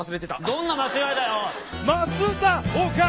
どんな間違いだよ。